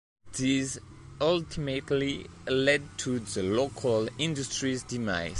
This ultimately led to the local industry's demise.